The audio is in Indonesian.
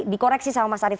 dikoreksi sama mas arief